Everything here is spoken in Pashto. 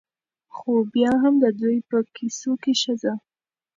؛ خو بيا هم د دوى په کيسو کې ښځه